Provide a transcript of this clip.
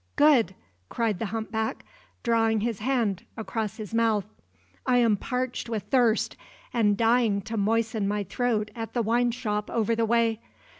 "Good!" cried the humpback, drawing his hand across his mouth; "I am parched with thirst, and dying to moisten my throat at the wine shop over the way.